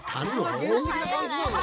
そんな原始的な感じなの？